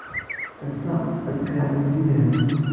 Ass-a, ad kkeɣ ass yelhan.